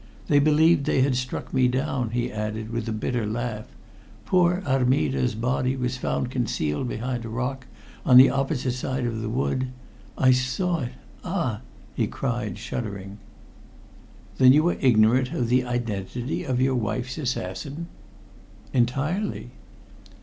They believed they had struck me down," he added, with a bitter laugh. "Poor Armida's body was found concealed behind a rock on the opposite side of the wood. I saw it ah!" he cried shuddering. "Then you are ignorant of the identity of your wife's assassin?" "Entirely."